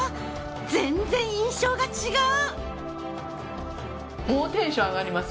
全然印象が違う！